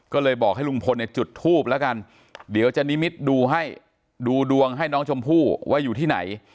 ก็เลยบอกให้ลุงพลเนี่ยจุดทูบแล้วกันเดี๋ยวจะนิมิตดูให้ดูดวงให้น้องชมพู่ว่าอยู่ที่ไหน